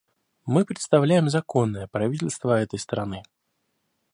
Мы представляем законное правительство этой страны.